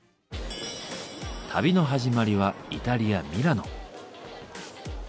旅の始まりはイタリア・ミラノ。